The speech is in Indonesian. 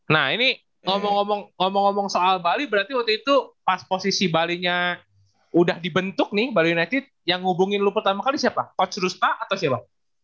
nah ini ngomong ngomong soal bali berarti waktu itu pas posisi balinya udah dibentuk nih bali united yang hubungin lu pertama kali siapa coach ruspa atau siapa